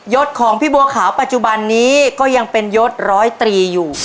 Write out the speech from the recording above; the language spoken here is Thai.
ศของพี่บัวขาวปัจจุบันนี้ก็ยังเป็นยศร้อยตรีอยู่